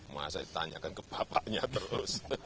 masa ditanyakan ke bapaknya terus